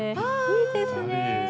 いいですね。